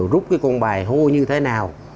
rút cái con bài hô như thế nào